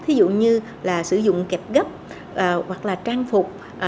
ví dụ như sử dụng kẹp gấp hoặc trang phục